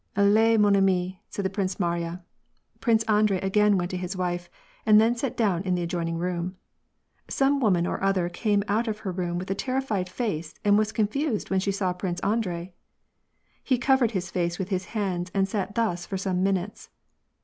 " Allez, man ami^'* said the Princess Mariya. Prince An drei again went to his wife, and then sat down in the adjoin ing room. Some woman or other came out of her room with a terrified face and was confused when she saw Prince Andrei. He covered his face with his hands and sat thus for some minutes.